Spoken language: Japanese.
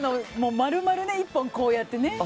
丸々１本、こうやってね。